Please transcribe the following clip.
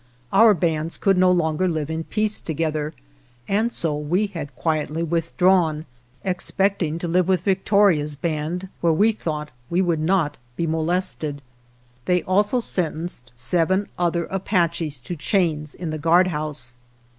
Our bands could no longer live in peace 1 to gether, and so we had quietly withdrawn, expecting to live with Victoria's band, where we thought we would not be molested. They also sentenced seven other Apaches to chains in the guardhouse.